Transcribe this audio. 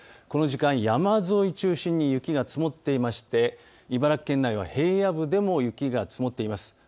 この時間、山沿いを中心に雪が積もっていまして茨城県内は平野部でも雪が積もっています。